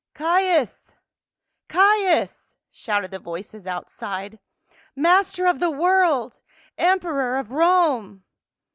" Caius ! Caius !" shouted the voices outside. " Mas ter of the world ! Emperor of Rome